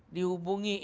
di hubungi ini